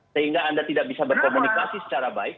sehingga anda tidak bisa berkomunikasi secara baik